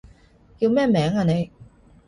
叫咩名啊你？